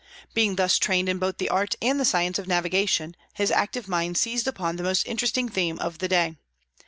Being thus trained in both the art and the science of navigation, his active mind seized upon the most interesting theme of the day.